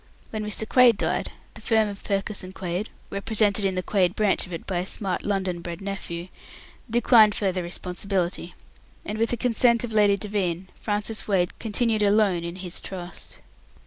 When Mr. Quaid died, the firm of Purkiss and Quaid (represented in the Quaid branch of it by a smart London bred nephew) declined further responsibility; and, with the consent of Lady Devine, Francis Wade continued alone in his trust.